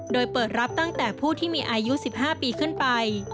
โดยเปิดรับตั้งแต่ผู้ที่มีอายุ๑๕ปีขึ้นไป